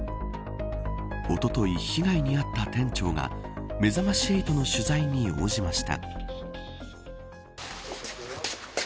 おととい被害に遭った店長がめざまし８の取材に応じました。